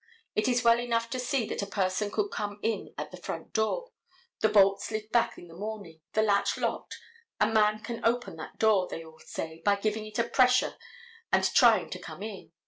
It is well enough to see that a person could come in at the front door. The bolt slid back in the morning, the latch locked, a man can open that door, they all say, by giving it a pressure and trying to come in.